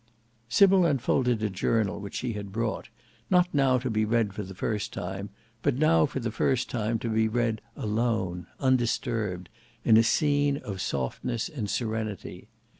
Sybil unfolded a journal which she had brought; not now to be read for the first time; but now for the first time to be read alone, undisturbed, in a scene of softness and serenity.